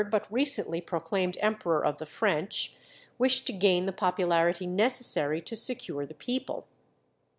but recently proclaimed Emperor of the French, wished to gain the popularity necessary to secure the people.